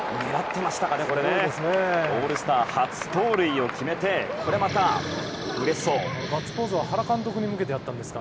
オールスター初盗塁を決めてこれまた、うれしそう。